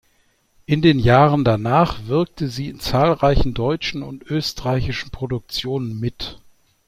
In den Jahren danach wirkte sie in zahlreichen deutschen und österreichischen Produktionen mit.